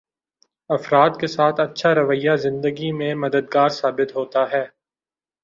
افراد کے ساتھ اچھا رویہ زندگی میں مددگار ثابت ہوتا ہے